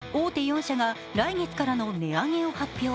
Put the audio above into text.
実はビール類、大手４社が来月からの値上げを発表。